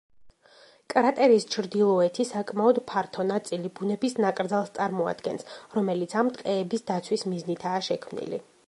კრატერის ჩრდილოეთი, საკმაოდ ფართო ნაწილი ბუნების ნაკრძალს წარმოადგენს, რომელიც ამ ტყეების დაცვის მიზნითაა შექმნილი.